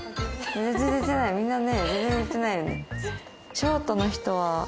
みんなね全然寝てないよね。